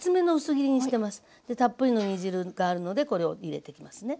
でたっぷりの煮汁があるのでこれを入れていきますね。